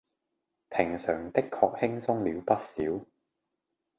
平常的確輕鬆了不少